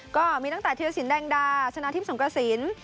ก็มีตั้งแต่ธีรสินแดงดาชนะทิพย์สงกระสิน